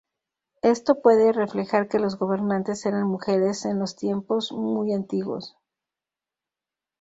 Esto puede reflejar que los gobernantes eran mujeres en los tiempos muy antiguos.